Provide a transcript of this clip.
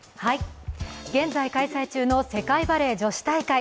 現在開催中の世界バレー女子大会。